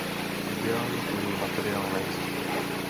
Ideálně tuhý materiál neexistuje.